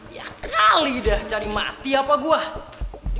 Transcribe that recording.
ya kali dah cari mati apa gue